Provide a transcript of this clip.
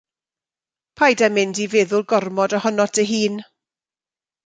Paid â mynd i feddwl gormod ohonot dy hun.